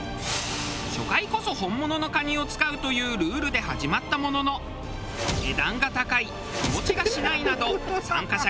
初回こそ本物の蟹を使うというルールで始まったものの値段が高い日持ちがしないなど参加者からの不満が続出。